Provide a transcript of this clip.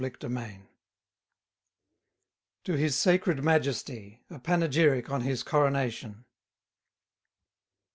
]TO HIS SACRED MAJESTY. A PANEGYRIC ON HIS CORONATION.